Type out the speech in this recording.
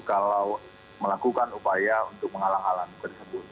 kalau melakukan upaya untuk menghalang halangi tersebut